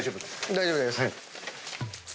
大丈夫です。